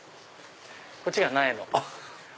こっちが苗の。